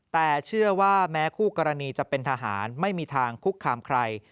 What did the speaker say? แต่เชื่อว่าแม้คู่กรณีจะเป็นทหารไม่มีทางคุกคามใคร